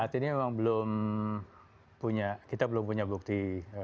saat ini memang belum punya kita belum punya bukti